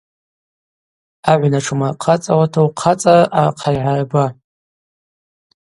Агӏвна тшумырхъацӏауата ухъацӏара архъа йгӏарба.